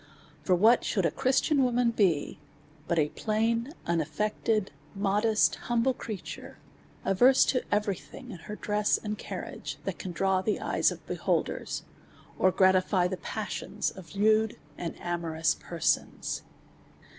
For what should a Christian woman be but a plain, unaffected, modesty humble creature, averse to every thing, in her dress and carriage, that can draw the eyes of beholders, or gratify the passions of lewd and amorous persons?